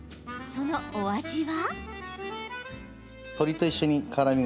そのお味は？